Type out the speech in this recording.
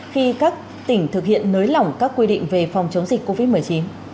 khi các tỉnh thực hiện nới lỏng các quy định về phòng chống dịch covid một mươi chín